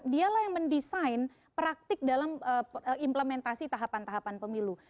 karena dia yang mendesain praktik dalam implementasi tahapan tahapan pemilu